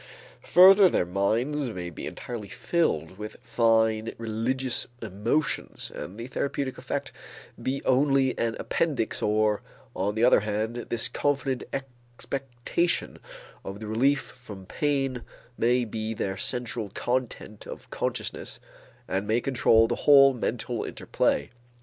Further their minds may be entirely filled with fine religious emotions and the therapeutic effect be only an appendix or, on the other hand, this confident expectation of the relief from pain may be their central content of consciousness and may control the whole mental interplay.